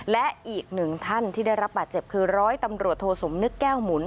และอีกหนึ่งท่านที่ได้รับบาดเจ็บคือร้อยตำรวจโทสมนึกแก้วหมุน